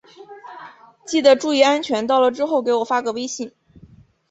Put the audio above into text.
记得注意安全，到了之后给我发个微信。